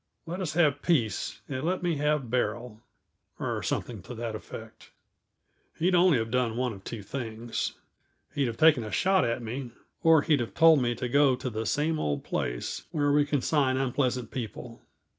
Let us have peace, and let me have Beryl " or something to that effect. He'd only have done one of two things; he'd have taken a shot at me, or he'd have told me to go to the same old place where we consign unpleasant people.